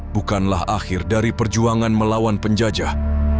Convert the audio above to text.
bukanlah akhir dari perjuangan melawan penjajah